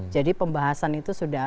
jadi pembahasan itu sudah